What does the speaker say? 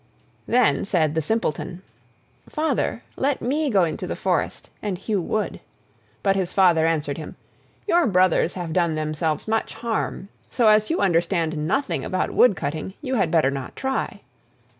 Then said the Simpleton: "Father, let me go into the forest and hew wood." But his Father answered him: "Your brothers have done themselves much harm, so as you understand nothing about wood cutting you had better not try."